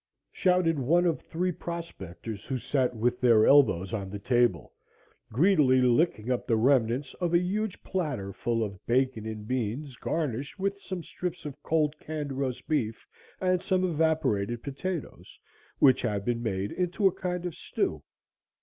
shouted one of three prospectors, who sat with their elbows on the table, greedily licking up the remnants of a huge platter full of bacon and beans garnished with some strips of cold, canned roast beef and some evaporated potatoes, which had been made into a kind of stew.